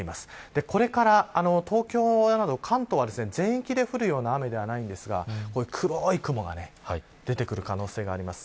これから東京といわず関東は、全域で降るような雨ではないですが黒い雲が出てくる可能性があります。